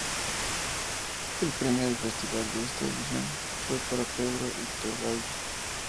El premio del festival de esta edición fue para Pedro Iturralde.